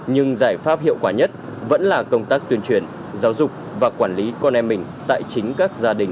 nhưng giải pháp hiệu quả nhất vẫn là công tác tuyên truyền giáo dục và quản lý con em mình tại chính các gia đình và nhà trường